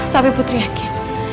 tapi putri yakin